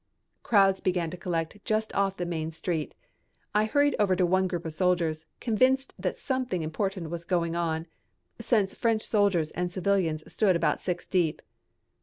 Crowds began to collect just off the main street. I hurried over to one group of sailors, convinced that something important was going on, since French soldiers and civilians stood about six deep.